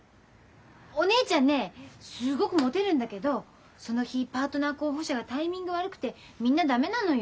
お姉ちゃんねすごくもてるんだけどその日パートナー候補者がタイミング悪くてみんな駄目なのよ。